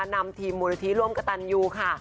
นำทีมมูลนิธิร่วมกระตันยูค่ะ